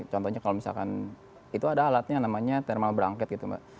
contohnya kalau misalkan itu ada alatnya namanya thermal branket gitu mbak